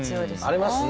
ありますね。